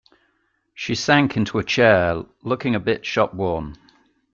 She sank into a chair, looking a bit shop-worn.